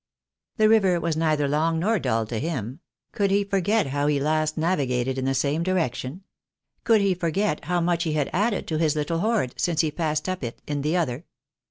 The river was neither long nor duU to him — could he forget how he last navigated in the same di rection ?— could he forget how much he had added to his little hoard since he passed up it in the other